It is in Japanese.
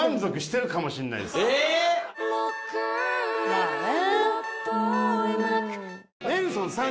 まあね。